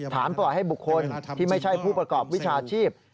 ถามประวัติให้บุคคลที่ไม่ใช่ผู้ประกอบวิชาชีพ